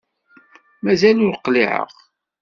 Mazal ur qliεeɣ.